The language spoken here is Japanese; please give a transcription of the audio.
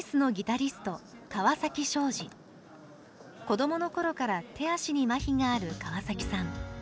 子供の頃から手足にマヒがある川崎さん。